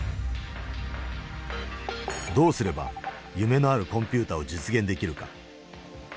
どうすれば夢のあるコンピューターを実現できるか。